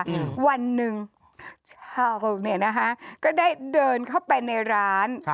อืมวันหนึ่งชาวเนี่ยนะคะก็ได้เดินเข้าไปในร้านครับ